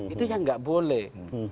itu yang tidak boleh